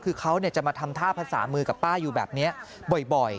คือเขาจะมาทำท่าภาษามือกับป้าอยู่แบบนี้บ่อย